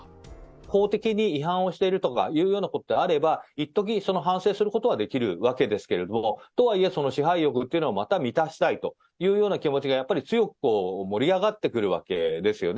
法的に違反をしているとかいうようなことであれば、いっとき、その反省することはできるわけですけれども、とはいえ、支配欲っていうのをまた満たしたいというような気持ちがやっぱり強く盛り上がってくるわけですよね。